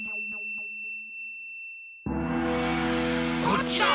こっちだ！